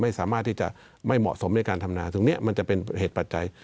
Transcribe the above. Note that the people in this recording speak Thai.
ไม่สามารถที่จะไม่เหมาะสมในการทำนาตรงนี้มันจะเป็นเหตุปัจจัย